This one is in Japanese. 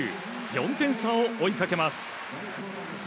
４点差を追いかけます。